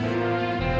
oke sampai jumpa